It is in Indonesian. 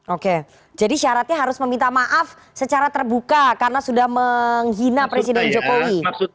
oke jadi syaratnya harus meminta maaf secara terbuka karena sudah menghina presiden jokowi